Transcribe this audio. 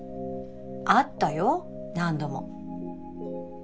あったよ何度も。